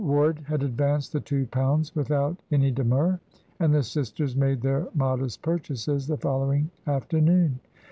Ward had advanced the two pounds without any demur, and the sisters made their modest purchases the following afternoon.